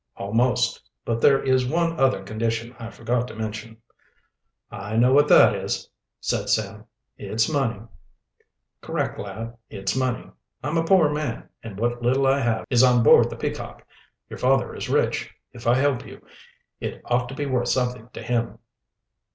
"Almost. But there is one other condition I forgot to mention." "I know what that is," said Sam. "It's money." "Correct, lad. It's money. I'm a poor man, and what little I have is on board the Peacock. Your father is rich. If I help you, it ought to be worth something to him."